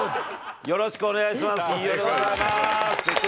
よろしくお願いします。